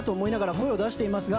声を出していますが